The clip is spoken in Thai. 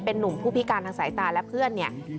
เป็นนุ่มผู้พิการทางสายตาและเพื่อนเนี่ย